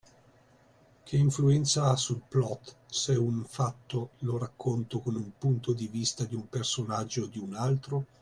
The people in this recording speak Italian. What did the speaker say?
Che influenza ha sul plot se un fatto lo racconto con un punto di vista di un personaggio o di un altro?